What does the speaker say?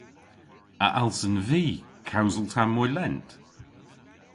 A allsen vy kewsel tamm moy lent?